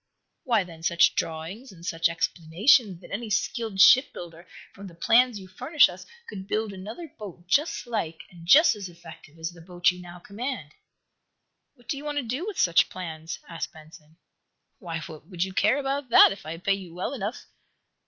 "Why, then, such drawings and such explanations that any skilled shipbuilder, from the plans you furnish us, could build another boat just like, and just as effective, as the boat you now command?" "What do you want to do with such plans?" asked Benson. "Why, would you care about that, if I pay you well enough?"